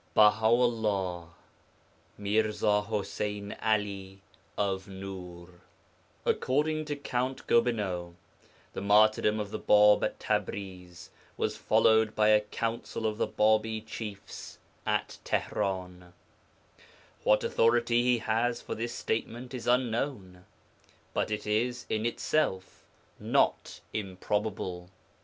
BAHA 'ULLAH (MIRZA ḤUSEYN ALI OF NŪR) According to Count Gobineau, the martyrdom of the Bāb at Tabriz was followed by a Council of the Bābī chiefs at Teheran (Tihran). What authority he has for this statement is unknown, but it is in itself not improbable.